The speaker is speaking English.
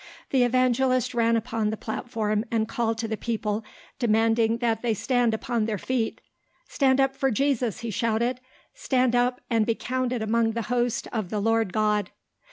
The evangelist ran upon the platform and called to the people demanding that they stand upon their feet. "Stand up for Jesus," he shouted; "stand up and be counted among the host of the Lord God."